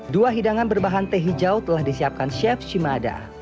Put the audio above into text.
dua hidangan berbahan teh hijau telah disiapkan chef shimada